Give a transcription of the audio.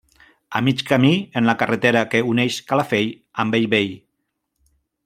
A mig camí en la carretera que uneix Calafell amb Bellvei.